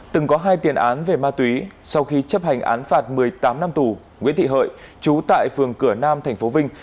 từng có hai tiền án về ma túy sau khi chấp hành án phạt một mươi tám năm tù nguyễn thị hợi chú tại phường cửa nam tp vinh